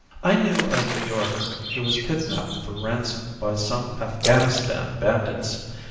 I knew a New Yorker who was kidnapped for ransom by some Afghanistan bandits.